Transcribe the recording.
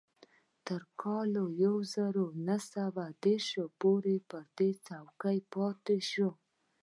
تر کال يو زر و نهه سوه دېرش پورې پر دې څوکۍ پاتې شو.